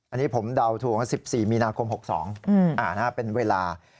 อันนี้ผมเดาถูกว่า๑๔มีนาคม๖๒เป็นเวลา